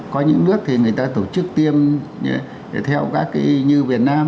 có những nước thì người ta tổ chức tiêm theo các cái như việt nam